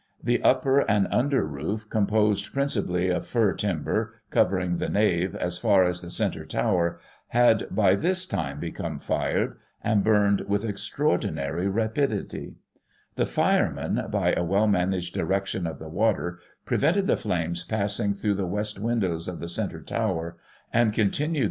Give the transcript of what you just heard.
The upper and under roof, composed principally of fir timber, covering the nave, as far as the centre tower, had, by this time, become fired, and burned with' extraordinary rapidity. The firemen, by a well managed direction of the water, prevented the flames passing through the west windows of the centre tower, and continued Digiti ized by Google 136 GOSSIP.